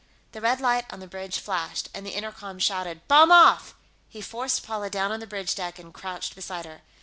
The red light on the bridge flashed, and the intercom shouted, "Bomb off!" He forced Paula down on the bridge deck and crouched beside her.